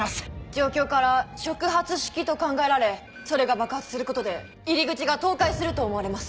状況から触発式と考えられそれが爆発することで入り口が倒壊すると思われます。